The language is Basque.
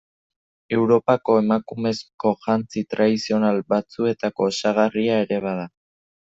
Europako emakumezko jantzi tradizional batzuetako osagarria ere bada.